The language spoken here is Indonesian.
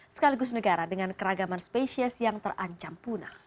sekaligus negara dengan keragaman spesies yang terancam punah